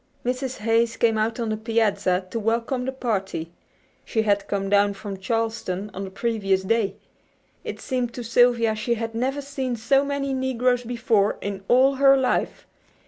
Mrs. Hayes came out on the piazza to welcome the party. She had come down from Charleston on the previous day. It seemed to Sylvia she had never seen so many negroes before in all her life.